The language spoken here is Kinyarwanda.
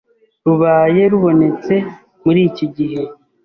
rubaye rubonetse muri iki gihe